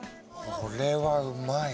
これはうまい。